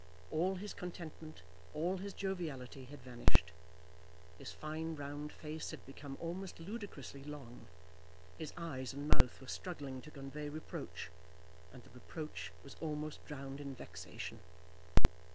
All his contentment, all his joviality, had vanished. His fine round face had become almost ludicrously long; his eyes and mouth were struggling to convey reproach, and the reproach was almost drowned in vexation.